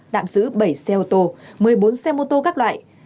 tạm giữ bảy xe ô tô một mươi bốn xe mô tô các loại